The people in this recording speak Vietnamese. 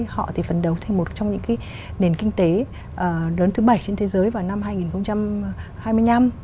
họ thì phấn đấu thành một trong những nền kinh tế lớn thứ bảy trên thế giới vào năm hai nghìn hai mươi năm